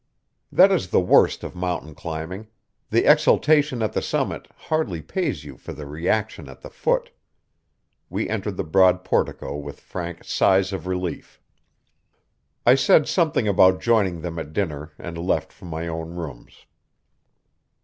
That is the worst of mountain climbing: the exaltation at the summit hardly pays you for the reaction at the foot. We entered the broad portico with frank sighs of relief. I said something about joining them at dinner and left for my own rooms.